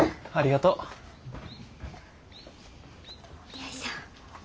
よいしょ。